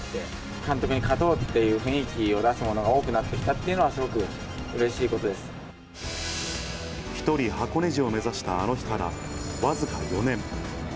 監督に勝とうという雰囲気を出す者が多くなってきたっていうこと１人箱根路を目指したあの日から、僅か４年。